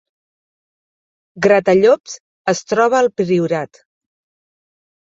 Gratallops es troba al Priorat